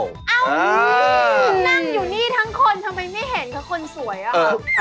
อ้าวนั่งอยู่นี่ทั้งคนทำไมไม่เห็นกับคนสวยอ่ะ